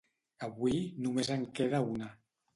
Avui només en queda una.